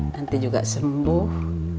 nanti juga sembuh